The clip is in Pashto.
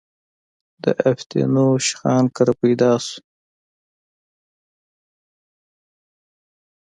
د افتينوش خان کره پيدا شو